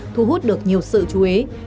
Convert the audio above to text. thu hút được nhiều sự chú ý